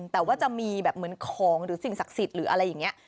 แต่ว่าจะมีแบบเหมือนของหรือสิ่งศักดิ์สิทธิ์หรืออะไรอย่างนี้